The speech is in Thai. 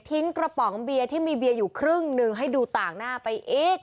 กระป๋องเบียร์ที่มีเบียร์อยู่ครึ่งหนึ่งให้ดูต่างหน้าไปอีก